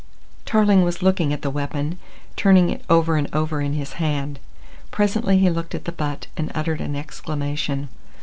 Tarling was looking at the weapon, turning it over and over in his hand. Presently he looked at the butt and uttered an exclamation.